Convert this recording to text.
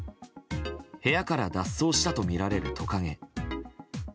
部屋から脱走したとみられるトカゲ。